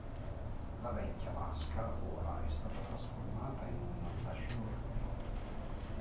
La vecchia vasca ora è stata trasformata in un bacino chiuso.